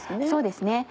そうですね。